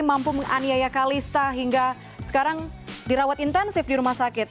mampu menganiaya kalista hingga sekarang dirawat intensif di rumah sakit